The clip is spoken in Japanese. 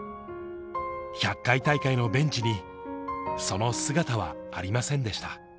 １００回大会のベンチにその姿はありませんでした。